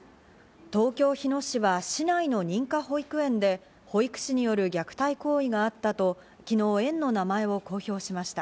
東京・日野市は市内の認可保育園で保育士による虐待行為があったと昨日、園の名前を公表しました。